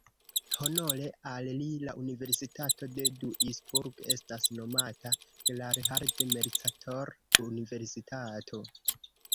Honore al li la universitato de Duisburg estas nomata Gerhard-Mercator-Universitato.